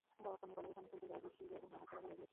যখনই পর্যবেক্ষণ করিতে যাও দেখিবে উহা হাতছাড়া হইয়া গিয়াছে।